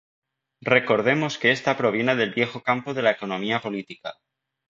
Recordemos que esta proviene del viejo campo de la economía política.